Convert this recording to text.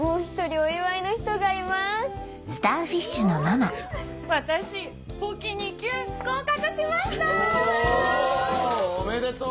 おおめでとう！